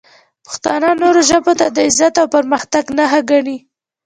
پښتانه نورو ژبو ته د عزت او پرمختګ نښه ګڼي.